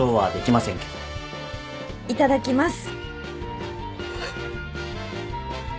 いただきます。